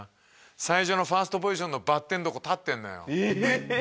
最初のファーストポジションのバッテンのとこ立ってんのよええ！